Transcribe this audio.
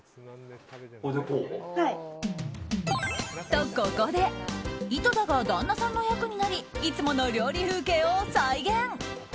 と、ここで井戸田が旦那さんの役になりいつもの料理風景を再現！